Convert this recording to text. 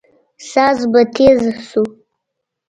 ساز به تېز سو.